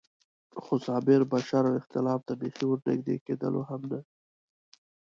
خو صابر به شر او اختلاف ته بېخي ور نږدې کېدلو هم نه.